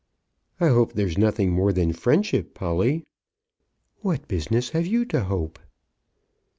"I hope there's nothing more than friendship, Polly." "What business have you to hope?"